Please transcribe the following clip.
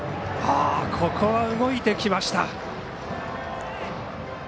ここは、動いてきました。